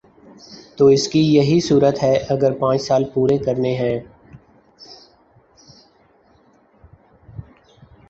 تو اس کی یہی صورت ہے اگر پانچ سال پورے کرنے ہیں۔